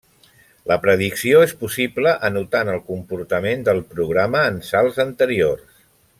La predicció és possible anotant el comportament del programa en salts anteriors.